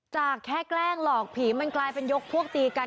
จากแค่แกล้งหลอกผีมันกลายเป็นยกพวกตีกัน